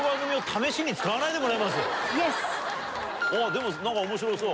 でも何か面白そう。